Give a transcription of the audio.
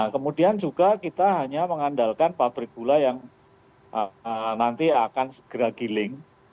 kemudian juga kita hanya mengandalkan pabrik gula yang nanti akan segera giling